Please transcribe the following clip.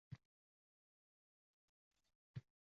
Asli bir oylar oldin uning ketishi aniq bo`lgan ekan